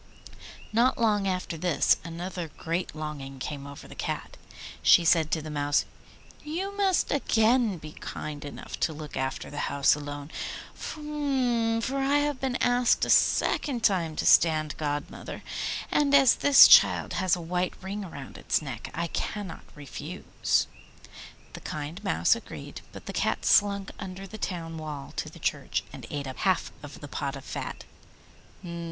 Not long after this another great longing came over the Cat. She said to the Mouse, 'You must again be kind enough to look after the house alone, for I have been asked a second time to stand godmother, and as this child has a white ring round its neck, I cannot refuse.' The kind Mouse agreed, but the Cat slunk under the town wall to the church, and ate up half of the pot of fat.